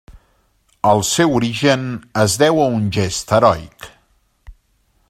El seu origen es deu a un gest heroic.